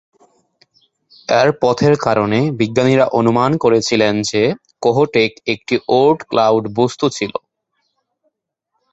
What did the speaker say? এর পথের কারণে, বিজ্ঞানীরা অনুমান করেছিলেন যে কোহোটেক একটি ওর্ট-ক্লাউড বস্তু ছিল।